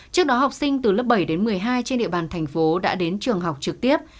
trước đó học sinh từ lớp bảy đến một mươi hai trên địa bàn thành phố đã đến trường học trực tiếp